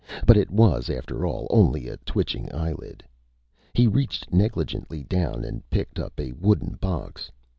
But it was, after all, only a twitching eyelid. He reached negligently down and picked up a wooden box.